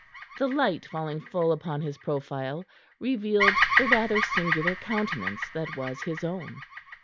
The light falling full upon his profile revealed the rather singular countenance that was his own.